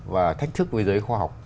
và thách thức với giới khoa học